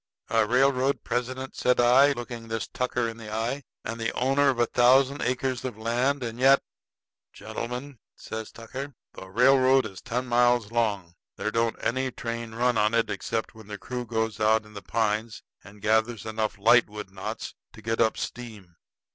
"A railroad president," said I, looking this Tucker in the eye, "and the owner of a thousand acres of land; and yet " "Gentlemen," says Tucker, "The railroad is ten miles long. There don't any train run on it except when the crew goes out in the pines and gathers enough lightwood knots to get up steam.